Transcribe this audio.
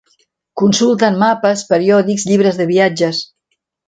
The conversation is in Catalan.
Consulten mapes, periòdics, llibres de viatges.